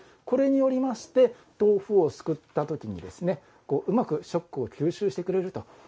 これによりまして豆腐をすくった時にですねうまくショックを吸収してくれると。